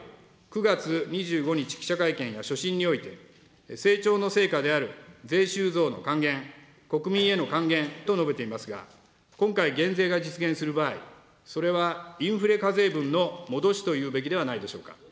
総理は９月２５日、記者会見や所信において、成長の成果である税収増の還元、国民への還元と述べていますが、今回、減税が実現する場合、それはインフレ課税分の戻しというべきではないでしょうか。